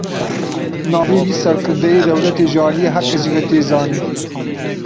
Navê vî serkirdeyê dewletê ji aliyê her kesî ve tê zanîn.